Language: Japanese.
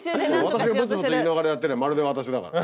私がぶつぶつ言いながらやってればまるで私だから。